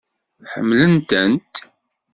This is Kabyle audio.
Ḥemmlen-tent?